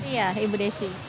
iya ibu devi